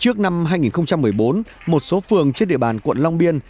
trước năm hai nghìn một mươi bốn một số phường trên địa bàn quận long biên